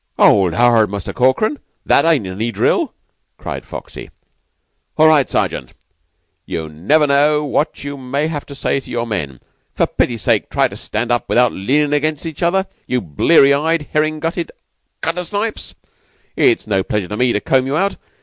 "'Old 'ard, Muster Corkran. That ain't in any drill," cried Foxy. "All right, Sergeant. You never know what you may have to say to your men. For pity's sake, try to stand up without leanin' against each other, you blear eyed, herrin' gutted gutter snipes. It's no pleasure to me to comb you out.